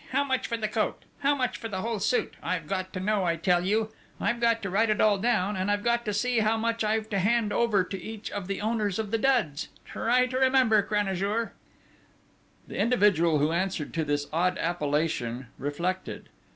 How much for the coat? How much for the whole suit? I've got to know, I tell you! I've got to write it all down, and I've got to see how much I've to hand over to each of the owners of the duds!... Try to remember, Cranajour!" The individual who answered to this odd appellation reflected.